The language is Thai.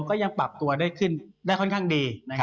ก็ยังปรับตัวได้ขึ้นได้ค่อนข้างดี